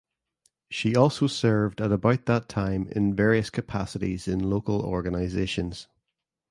She also served at about that time in various capacities in local organizations.